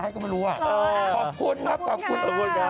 เฮ้ยขอบคุณขุนธสปอนท์